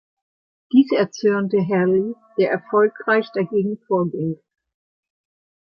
Dies erzürnte Healy, der erfolgreich dagegen vorging.